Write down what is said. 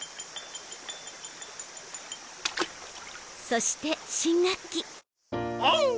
そして新学期オン！